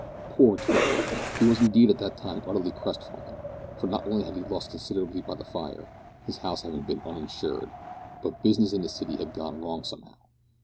Poor Twitter! He was indeed at that time utterly crestfallen, for not only had he lost considerably by the fire his house having been uninsured but business in the city had gone wrong somehow.